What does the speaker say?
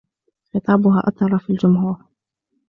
خطابها أثَر في الجمهور.